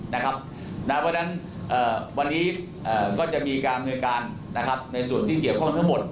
เพราะฉะนั้นวันนี้ก็จะมีการอำนวยการในส่วนที่เกี่ยวข้องทั้งหมด